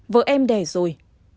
vợ em đẻ rồi